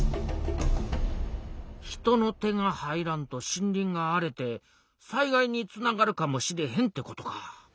人の手が入らんと森林が荒れて災害につながるかもしれへんってことか。